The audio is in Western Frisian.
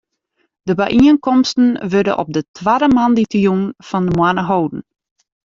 De byienkomsten wurde op de twadde moandeitejûn fan de moanne holden.